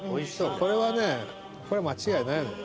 これはね間違いないのよ。